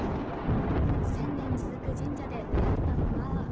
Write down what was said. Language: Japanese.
１０００年続く神社で出会ったのは。